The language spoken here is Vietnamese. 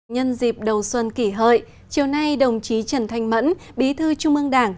nhân dịp đầu xuân kỷ hợi chiều nay đồng chí trần thanh mẫn bí thư trung ương đảng